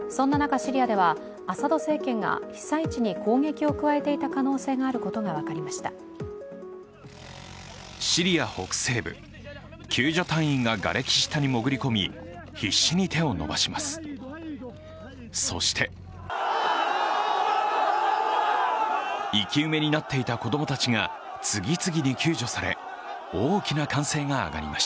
シリア北西部、救助隊員ががれき下に潜り込み、必死に手を伸ばします。